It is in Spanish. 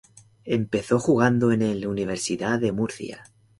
Empezó jugando en el Universidad de Murcia.